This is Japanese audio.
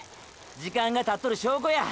時間がたっとる証拠や！！